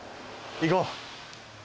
行こう。